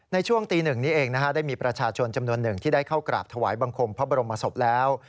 ในช่วงตี๑นี้เองได้มีประชาชนจำนวนหนึ่งที่ได้เข้ากราบถวายบังคมพระบรมศพแล้ว